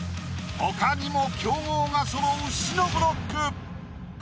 ほかにも強豪がそろう死のブロック！